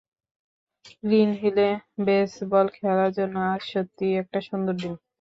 Green হিলে baseball খেলার জন্য আজ সত্যিই একটা সুন্দর দিন।